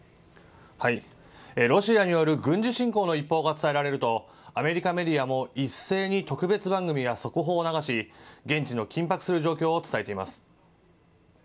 ロシアによる軍事侵攻の一報が伝えられるとアメリカメディアも一斉に特別番組や速報を流し現地の緊迫する状況を伝えています。